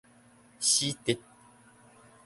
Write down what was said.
死直